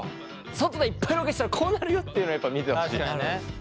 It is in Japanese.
外でいっぱいロケしたらこうなるよっていうのをやっぱ見てほしい。